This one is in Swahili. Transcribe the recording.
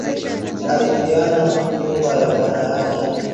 Ari piana nyumba ya bwana yake